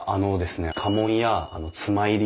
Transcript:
家紋や妻入り